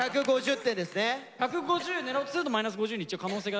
１５０狙おうとするとマイナス５０にいっちゃう可能性がある。